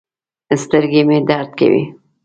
سترګې مې درد کوي